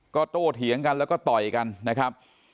ก็โตเถียงกันแล้วก็ต่อยกันนะครับ